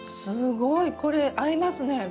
すごいこれ合いますね